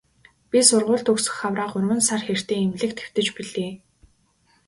Би сургууль төгсөх хавраа гурван сар хэртэй эмнэлэгт хэвтэж билээ.